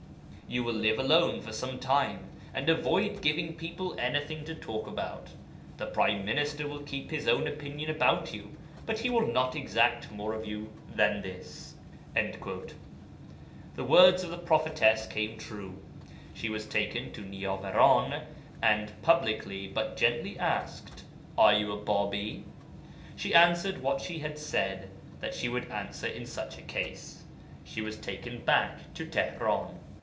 You will live alone for some time, and avoid giving people anything to talk about. The Prime Minister will keep his own opinion about you, but he will not exact more of you than this."' The words of the prophetess came true. She was taken to Niyavaran, and publicly but gently asked, 'Are you a Bābī?' She answered what she had said that she would answer in such a case. She was taken back to Tihran.